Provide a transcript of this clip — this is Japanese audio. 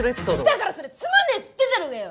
だからそれつまんねえっつってるだろうがよ！